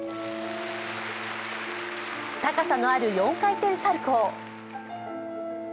高さのある４回転サルコウ。